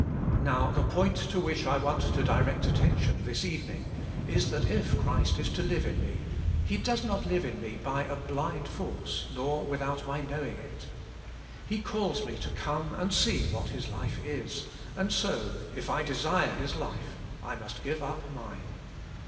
Now, the point to which I want to direct at tention, this evening , is that if Christ is to live in me He does not live in me by a blind force, nor without my knowing it. He calls me to come and see what His life is, and so, if I desire His life, I must give up mine.